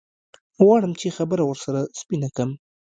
غواړم چې خبره ورسره سپينه کم.